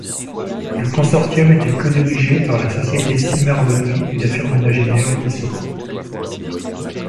Le consortium était codirigé par la société Simard-Beaudry et la firme d'ingénieurs Dessau.